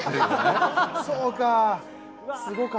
そうか！